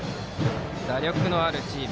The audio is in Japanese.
打力のあるチーム。